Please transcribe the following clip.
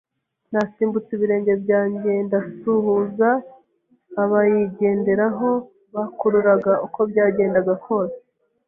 Nasimbutse ibirenge byanjye ndasuhuza abayigenderaho. Bakururaga, uko byagenda kose,